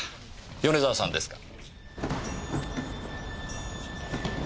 米沢さんですか？